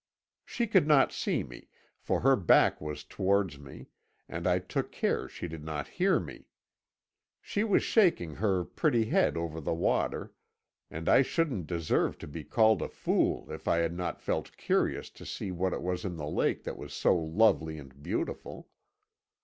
She could not see me, for her back was towards me, and I took care she did not hear me. She was shaking her pretty head over the water, and I shouldn't deserve to be called a fool if I had not felt curious to see what it was in the lake that was so lovely and beautiful.